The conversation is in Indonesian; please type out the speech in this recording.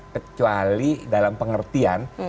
kecuali dalam pengertian